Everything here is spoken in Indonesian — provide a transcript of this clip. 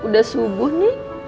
udah subuh nih